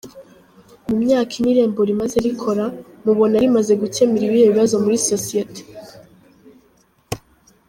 Mu myaka ine Irembo rimaze rikora, mubona rimaze gukemura ibihe bibazo muri sosiyete?